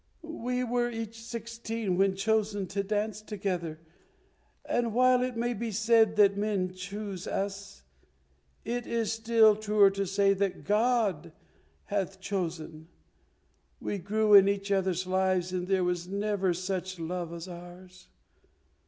We were each sixteen when chosen to dance together, and while it may be said that men chose us, it is truer still to say that God hath chosen. We grew into each other's lives, and there was never such love as ours.